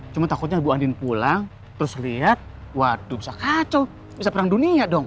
cuma takutnya ibu andin pulang terus lihat waduh bisa kacau bisa perang dunia dong